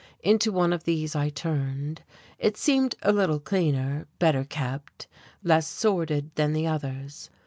Into one of these I turned. It seemed a little cleaner, better kept, less sordid than the others.